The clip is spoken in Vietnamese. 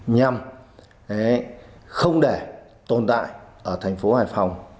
nhằm không để tồn tại ở thành phố hải phòng